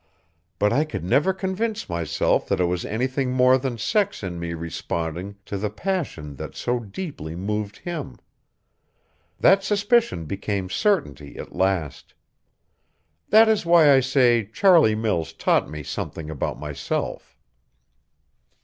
But I could never convince myself that it was anything more than sex in me responding to the passion that so deeply moved him. That suspicion became certainty at last. That is why I say Charlie Mills taught me something about myself."